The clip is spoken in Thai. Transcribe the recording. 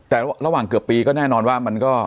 แต่ระหว่างเกือบปีก็แน่นอนว่ามันก็